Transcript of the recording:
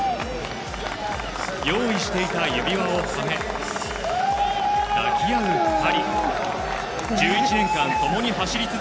用意していた指輪をはめ、抱き合う２人。